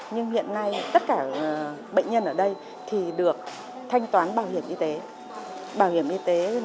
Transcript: nhưng hiện nay tất cả bệnh nhân ở đây thì được thanh toán bảo hiểm y tế